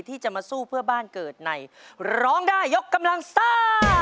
ที่จะมาสู้เพื่อบ้านเกิดในร้องได้ยกกำลังซ่า